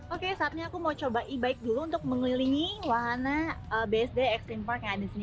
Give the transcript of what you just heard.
oke saatnya aku mau coba e bike dulu untuk mengelilingi wahana bsd ext park yang ada di sini